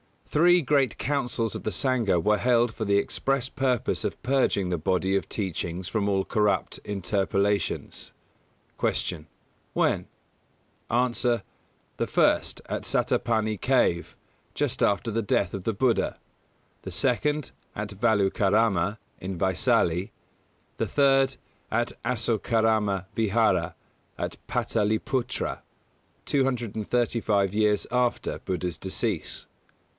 Three great Councils of the Sangha were held for the express purpose of purging the body of Teachings from all corrupt interpolations. 192. Q. When? A. The first, at Sattapanni cave, just after the death of the Buddha; the second at Valukarama, in Vaisali; the third at Asokarama Vihāra, at Pātaliputra, 235 years after Buddha's decease.